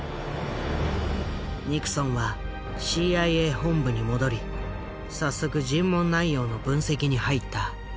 ニクソンはＣＩＡ本部に戻り早速尋問内容の分析に入った。